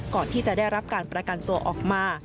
ก่อนที่จะได้รับการประกันตัวออกมา